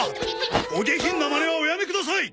お下品なまねはおやめください！